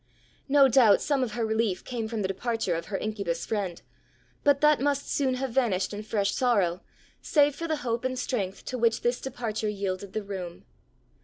No doubt some of her relief came from the departure of her incubus friend; but that must soon have vanished in fresh sorrow, save for the hope and strength to which this departure yielded the room.